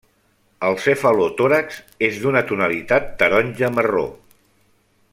El cefalotòrax és d'una tonalitat taronja-marró.